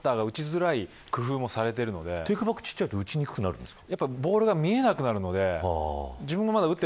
バッターが打ちづらい工夫もされているのでテークバックが小さいと打ちづらいですか。